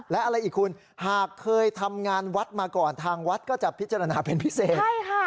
และอะไรอีกคุณหากเคยทำงานวัดมาก่อนทางวัดก็จะพิจารณาเป็นพิเศษ